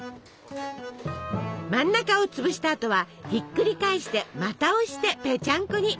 真ん中をつぶしたあとはひっくり返してまた押してぺちゃんこに！